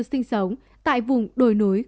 sinh sống tại vùng đồi núi